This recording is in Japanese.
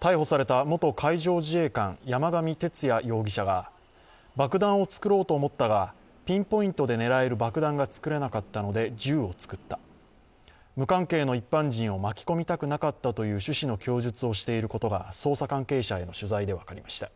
逮捕された元海上自衛官・山上徹也容疑者が爆弾を作ろうと思ったがピンポイントで狙える爆弾が作れなかったので銃を作った、無関係の一般人を巻き込みたくなかったという趣旨の供述をしていることが捜査関係者への取材で分かりました。